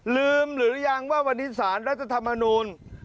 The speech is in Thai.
หรือยังว่าวันนี้สารรัฐธรรมนูล